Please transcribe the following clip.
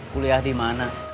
kuliah di mana